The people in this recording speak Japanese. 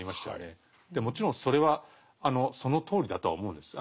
でもちろんそれはそのとおりだとは思うんです。